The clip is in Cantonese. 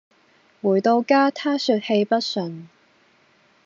回到家她說氣不順